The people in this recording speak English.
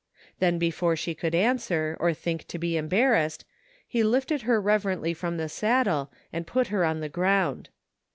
Then before she could answer or think to be em barrassed, he lifted her reverently from the saddle and put her on the ground.